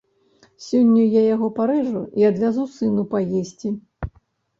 Сёння я яго парэжу і адвязу сыну паесці.